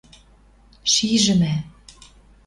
Шижӹмӓ